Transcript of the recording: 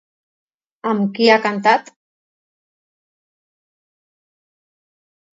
Amb qui ha cantat?